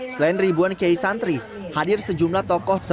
selain ribuan kiai santri hadir sejumlah tokoh